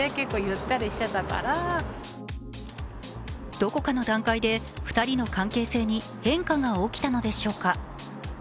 どこかの段階で２人の関係性に変化が起きたのでしょうか。